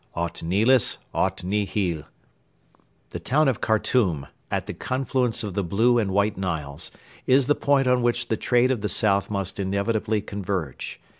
Aut Nilus, aut nihil! The town of Khartoum, at the confluence of the Blue and White Niles, is the point on which the trade of the south must inevitably converge.